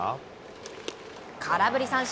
空振り三振。